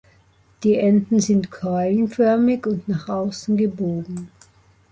Die Enden sind keulenförmig und nach außen gebogen.